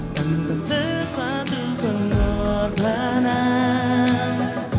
tentang sesuatu pengorbanan